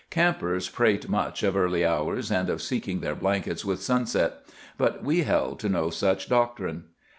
Campers prate much of early hours, and of seeking their blankets with sunset; but we held to no such doctrine.